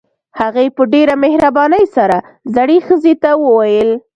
هغې په ډېره مهربانۍ سره زړې ښځې ته وويل.